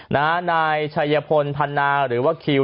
นายชัยพลพันนาหรือว่าคิว